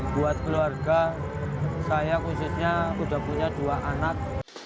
buat keluarga saya khususnya sudah punya dua anak